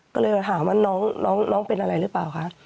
ก็เลยถามว่าน้องเป็นอะไรหรือเปล่าคะ